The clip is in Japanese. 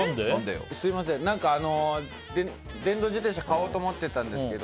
すみません、電動自転車買おうと思ってたんですけど